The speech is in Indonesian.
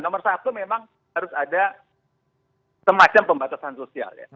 nomor satu memang harus ada semacam pembatasan sosial ya